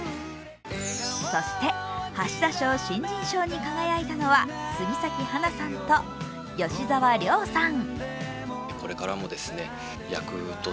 そして、橋田賞新人賞に輝いたのは杉咲花さんと吉沢亮さん。